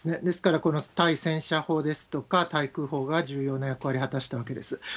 ですから、この対戦車砲ですとか、対空砲が重要な役割を果たしたわけです。